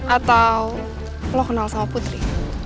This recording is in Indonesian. atau lo kenal sama putri